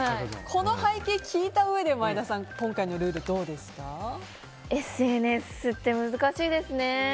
この背景を聞いたうえで前田さん、今回のルールＳＮＳって難しいですね。